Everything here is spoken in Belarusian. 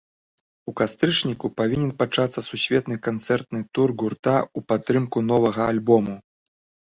У кастрычніку павінен пачацца сусветны канцэртны тур гурта ў падтрымку новага альбому.